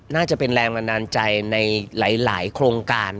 น่าจะเป็นแรงบันดาลใจในหลายโครงการ